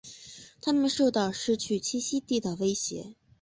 它们受到失去栖息地的威胁。